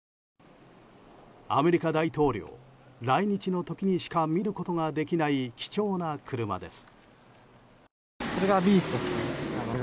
アメリカ大統領、来日の時にしか見ることができない貴重な車です。